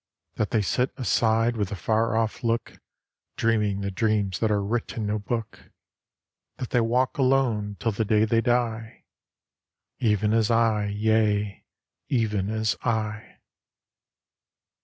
That they sit aside with a far off look Dreaming the dreams that are writ in no book! That they walk alone till the day they die, Even as I, yea, even as I!